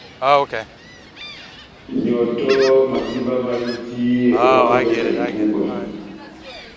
Nyɔtɔhɔ madíba máhiti, ohangɛ na ikúbwa.